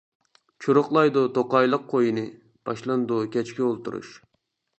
چۇرۇقلايدۇ توقايلىق قوينى، باشلىنىدۇ كەچكى ئولتۇرۇش.